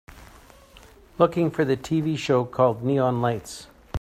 Looking for the TV show called Neon Nights